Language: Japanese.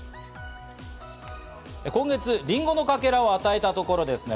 今月、りんごのかけらを与えたところですね。